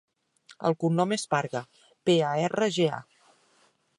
El cognom és Parga: pe, a, erra, ge, a.